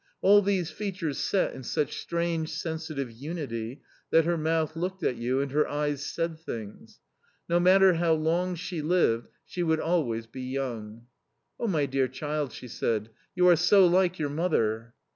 All these features set in such strange, sensitive unity that her mouth looked at you and her eyes said things. No matter how long she lived she would always be young. "Oh, my dear child," she said, "you are so like your mother."